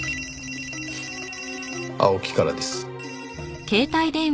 青木からです。